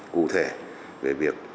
cụ thể về việc